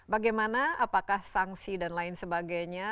bagaimana apakah sanksi dan lain sebagainya